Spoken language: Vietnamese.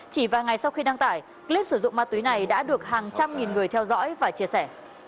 chỉ vài ngày sau khi đăng tải clip sử dụng ma túy này đã được hàng trăm nghìn người theo dõi và chia sẻ